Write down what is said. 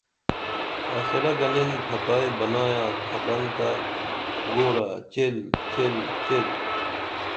آخرا گنِن پھتائی بنایا کفن تہ گورہ چیل چیل چیل